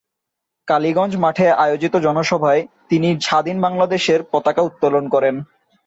কালীগঞ্জ মাঠে আয়োজিত জনসভায় তিনি স্বাধীন বাংলাদেশের পতাকা উত্তোলন করেন।